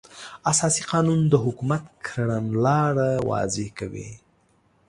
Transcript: اساسي قانون د حکومت کړنلاره واضح کوي.